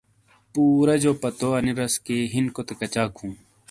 پُورا جو پتو انی رس کہ ہِین کوتے کچاک ہوں ؟